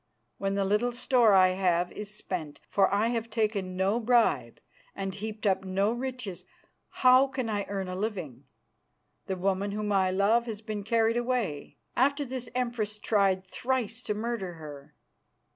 When the little store I have is spent, for I have taken no bribe and heaped up no riches, how can I earn a living? The woman whom I love has been carried away, after this Empress tried thrice to murder her.